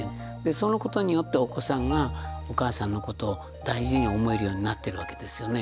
そのことによってお子さんがお母さんのことを大事に思えるようになってるわけですよね。